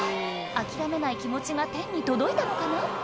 諦めない気持ちが天に届いたのかな？